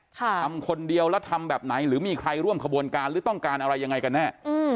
ทำคนเดียวแล้วทำแบบไหนหรือมีใครร่วมขบวนการหรือต้องการอะไรยังไงกันแน่